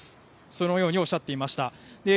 そのようにおっしゃっていました。